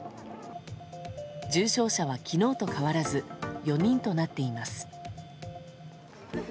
重症者は昨日と変わらず４人となっています。